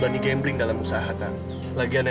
agung masuk ke sini